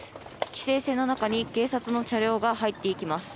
規制線の中に警察の車両が入っていきます。